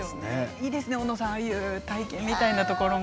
いいですねああいう体験みたいなところも。